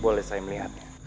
boleh saya melihatnya